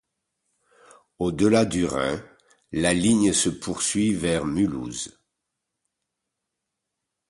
Au delà du Rhin, la ligne se poursuit vers Mulhouse.